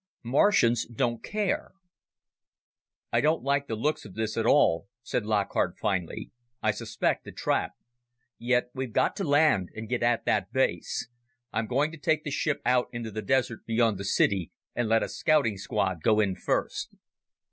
Martians Don't Care "I don't like the looks of this at all," said Lockhart finally. "I suspect a trap. Yet we've got to land and get at that base. I'm going to take the ship out into the desert beyond the city and let a scouting squad go in first."